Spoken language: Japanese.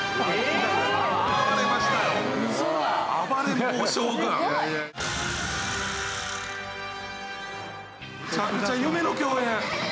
「むちゃくちゃ夢の共演！」